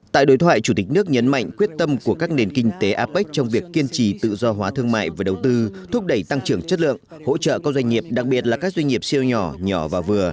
tại đối thoại chủ tịch nước nhấn mạnh quyết tâm của các nền kinh tế apec trong việc kiên trì tự do hóa thương mại và đầu tư thúc đẩy tăng trưởng chất lượng hỗ trợ các doanh nghiệp đặc biệt là các doanh nghiệp siêu nhỏ nhỏ và vừa